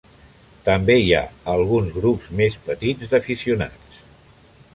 També hi ha alguns grups més petits d'aficionats.